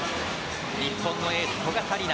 日本のエース、古賀紗理那。